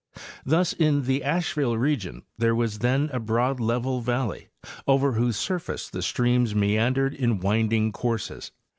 Thus, in the Asheville region there was then a broad, level valley, over whose surface the streams meandered in winding courses.